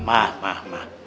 mah mah mah